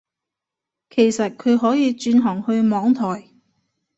其實佢可以轉行去網台